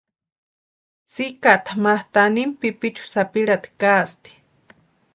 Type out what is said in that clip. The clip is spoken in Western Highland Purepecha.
Tsikata ma tanimuni pipichu sapirhati kaasti.